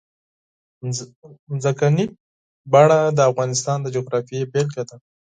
ځمکنی شکل د افغانستان د جغرافیې بېلګه ده.